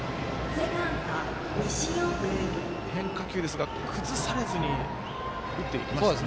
変化球ですが崩されずに打っていきましたね。